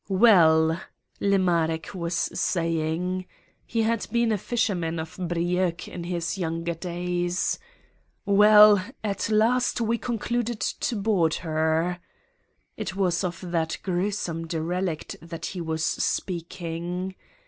"Well," Le Marec was saying—he had been a fisherman of Brieuc in his younger days—"well, at last we concluded to board her" (it was of that grewsome derelict that he was speaking).